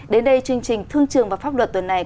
đến đây chương trình thương trường và pháp luật tuần này